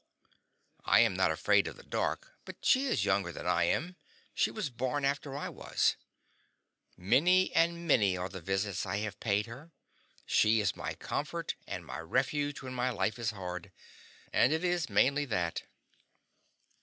I am not afraid of the dark, but she is younger than I am; she was born after I was. Many and many are the visits I have paid her; she is my comfort and my refuge when my life is hard and it is mainly that.